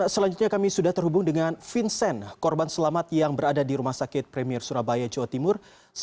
selanjutnya kami sudah terhubung dengan vincent korban selamat yang berada di rumah sakit premier surabaya jawa timur